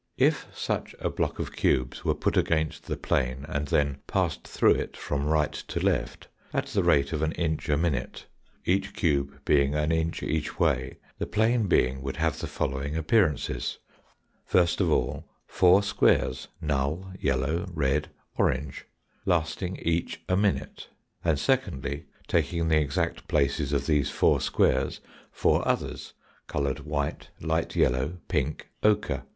If such a block of cubes were put against the plane and then passed through it from right to left, at the rate of an inch a minute, each cube being an inch each way, the plane being would have the following appearances : First of all, four squares null, yellow, red, orange, lasting each a minute; and secondly, taking the exact places of these four squares, four others, coloured white, light yellow, pink, ochre.